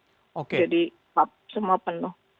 jadi semua penuh